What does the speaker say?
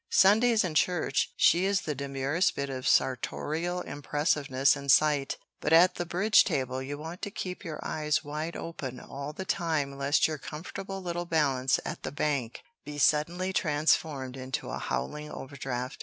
Sundays in church she is the demurest bit of sartorial impressiveness in sight, but at the bridge table you want to keep your eyes wide open all the time lest your comfortable little balance at the bank be suddenly transformed into a howling overdraft.